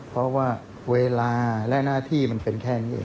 เพราะว่าเวลาและหน้าที่มันเป็นแค่นี้เอง